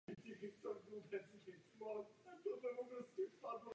Navštěvuje tuzemské i zahraniční knižní veletrhy pořádá poznávací exkurze do zahraničí.